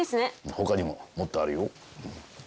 ほかにももっとあるよ。